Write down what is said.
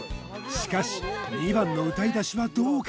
しかし２番の歌い出しはどうか？